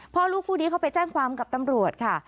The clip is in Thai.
พ่อลูกคู่นี้เขาไปแจ้งความกับตำรวจค่ะ